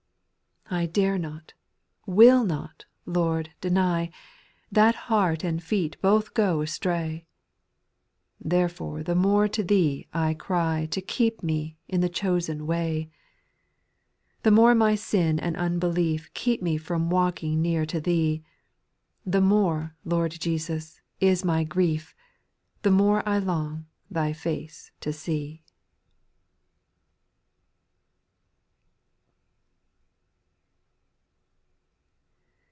] 6. 1 I dare not — will not — Lord, deny, That heart and feet both go astray ; Therefore the more to Thee I cry To keep me in the chosen way. ) 6. The more my sin and unbelief Keep me from walking near to Thee, The more, Lord Jesus, is my grief — The more I long Thy face to see.